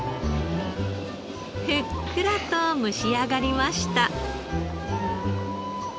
ふっくらと蒸し上がりました。